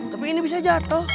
tapi ini bisa jatuh